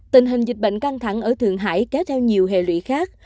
tình hình dịch bệnh căng thẳng ở thượng hải kéo theo nhiều hệ lụy khác